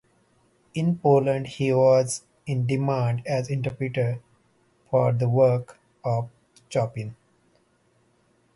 In Poland he was in demand as interpreter of the works of Chopin.